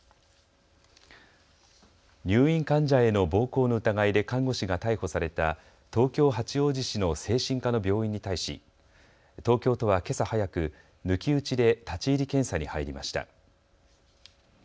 入院患者への暴行の疑いで看護師が逮捕された東京八王子市の精神科の病院に対し東京都はけさ早く、抜き打ちで立ち入り検査に入りました。